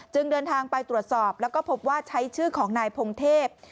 เดินทางไปตรวจสอบแล้วก็พบว่าใช้ชื่อของนายพงเทพ